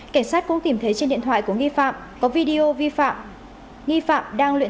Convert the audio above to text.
cảnh sát cũng tìm thấy trên điện thoại của nghi phạm có video vi phạm